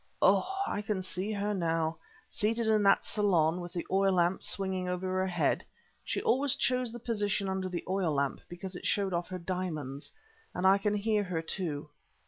Oh! I can see her now, seated in that saloon with the oil lamp swinging over her head (she always chose the position under the oil lamp because it showed off her diamonds). And I can hear her too.